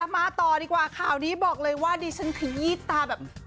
มาต่อดีกว่าข่าวนี้บอกเลยว่าดิฉันขยี้ตาแบบ